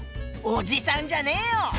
おじさんじゃねえよ！